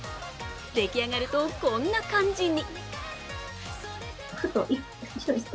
出来上がるとこんな感じに。